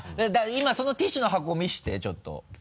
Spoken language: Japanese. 今そのティッシュの箱見せてちょっと。